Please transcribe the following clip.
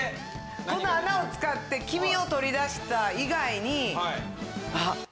この穴を使って黄身を取り出した以外にあっ。